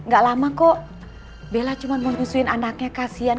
gak lama kok bella cuma mau busuin anaknya kasihan